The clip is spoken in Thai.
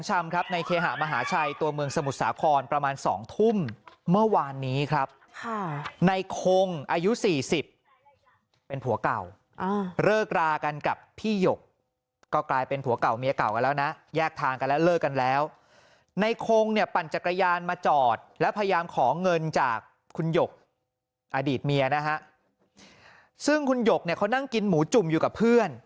คำครับในเคหะมหาชัยตัวเมืองสมุทรสาครประมาณสองทุ่มเมื่อวานนี้ครับค่ะในคงอายุสี่สิบเป็นผัวก่าวอ่าเลิกลากันกับพี่หยกก็กลายเป็นผัวก่าวเมียเก่ากันแล้วนะแยกทางกันแล้วเลิกกันแล้วในคงเนี่ยปั่นจักรยานมาจอดแล้วพยายามของเงินจากคุณหยกอดีตเมียนะฮะซึ่งคุณหยกเนี่ยเขานั่งกินหมูจุ